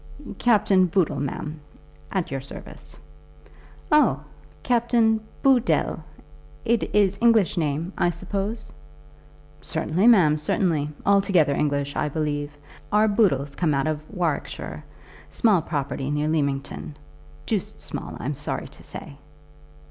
"Captain Boodle, ma'am; at your service." "Oh, Captain Bood dle; it is English name, I suppose?" "Certainly, ma'am, certainly. Altogether English, I believe. Our Boodles come out of Warwickshire; small property near Leamington, doosed small, I'm sorry to say."